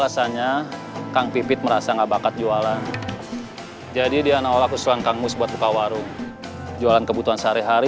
sampai jumpa di video selanjutnya